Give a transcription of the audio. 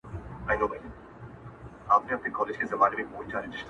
حدِاقل چي ته مي باید پُخلا کړې وای ـ